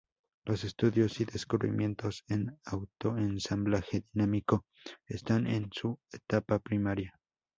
Los estudios y descubrimientos en autoensamblaje dinámico están en su etapa primaria.